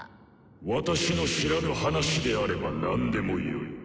私の知らぬ話であれば何でもよい。